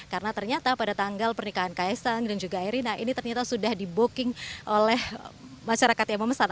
karena ternyata pada tanggal pernikahan kaesang dan juga erina ini ternyata sudah diboking oleh masyarakat yang memesan